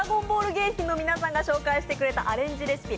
芸人の皆さんが紹介してくれたアレンジレシピ